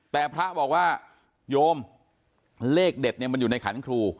แต่พระบอกว่าโยมเลขเด็ดเนี่ยมันอยู่ในขันครู